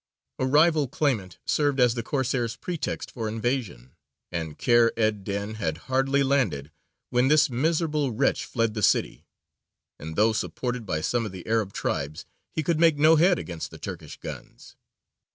A rival claimant served as the Corsair's pretext for invasion, and Kheyr ed dīn had hardly landed when this miserable wretch fled the city, and though supported by some of the Arab tribes he could make no head against the Turkish guns.